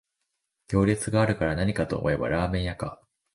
行列があるからなにかと思えばラーメン屋か